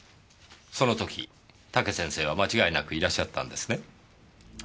その時武先生は間違いなくいらっしゃったんですね？